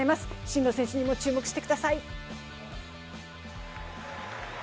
真野選手にも注目してください。